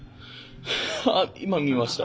あ今見ました。